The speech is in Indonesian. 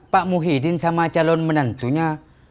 pak muhyiddin sama calon menentunya